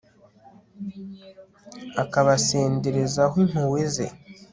akabasenderezaho impuhwe ze